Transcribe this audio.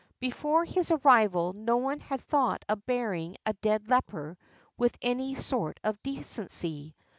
Before his arrival no one had thought of burying a dead leper with any sort of decency.